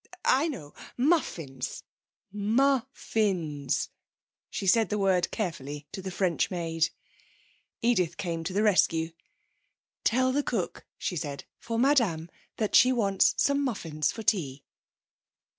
I know muffins muffins!' she said the word carefully to the French maid. Edith came to the rescue. 'Tell the cook,' she said, 'for madame, that she wants some muffins for tea.'